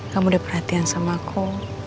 kamu udah perhatian sama aku